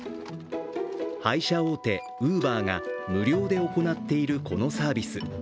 配車大手ウーバーが無料で行っているこのサービス。